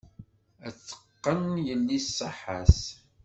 Ad t-teqqen yelli ṣaḥa-s.